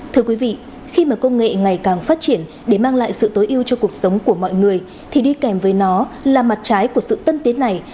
thưa quý vị khi mà công nghệ ngày càng phát triển để mang lại sự tối ưu cho cuộc sống của mọi người thì đi kèm với nó là mặt trái của sự tân tiến này